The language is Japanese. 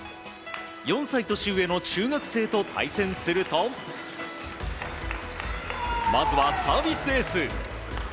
４歳年上の中学生と対戦するとまずはサービスエース。